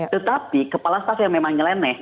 tetapi kepala staff yang memang nyeleneh